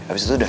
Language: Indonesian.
habis itu udah